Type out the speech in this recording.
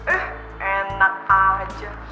eh enak aja